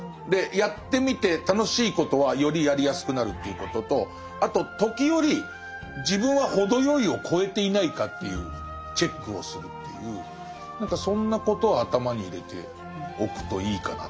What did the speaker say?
やってみて楽しいことはよりやりやすくなるということとあと時折自分は程よいを超えていないかというチェックをするっていう何かそんなことを頭に入れておくといいかな。